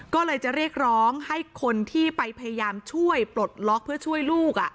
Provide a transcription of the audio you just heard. ก็เลยจะเรียกร้องให้คนที่ไปพยายามช่วยปลดล็อกเพื่อช่วยลูก